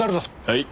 はい。